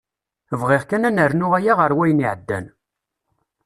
Bɣiɣ kan ad nernu aya ɣer wayen iεeddan.